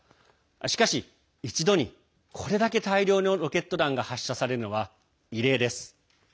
しかし一度に、これだけ大量のロケット弾が発射されるのは異例です。